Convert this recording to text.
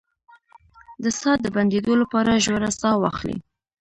د ساه د بندیدو لپاره ژوره ساه واخلئ